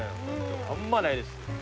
あんまないです。